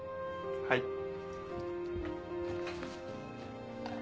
はい。